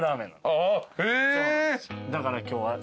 だから今日は。